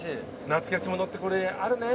懐かしものってこれあるね。